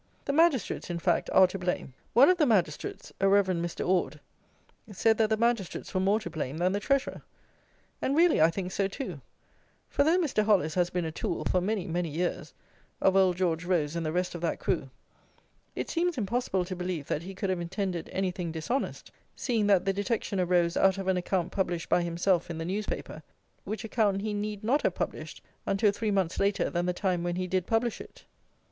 The Magistrates, in fact, are to blame. One of the Magistrates, a Reverend Mr. Orde, said that the Magistrates were more to blame than the Treasurer; and really I think so too; for, though Mr. Hollis has been a tool for many many years, of Old George Rose and the rest of that crew, it seems impossible to believe that he could have intended anything dishonest, seeing that the detection arose out of an account published by himself in the newspaper, which account he need not have published until three months later than the time when he did publish it.